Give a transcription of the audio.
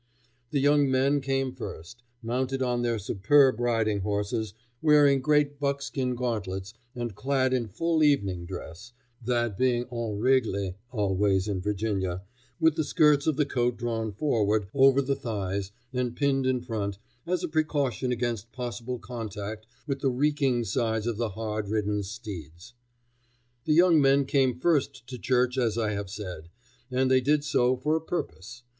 The young men came first, mounted on their superb riding horses, wearing great buckskin gauntlets and clad in full evening dress that being en règle always in Virginia, with the skirts of the coat drawn forward, over the thighs, and pinned in front, as a precaution against possible contact with the reeking sides of the hard ridden steeds. The young men came first to church, as I have said, and they did so for a purpose.